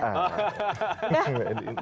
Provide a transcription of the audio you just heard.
mas januar aja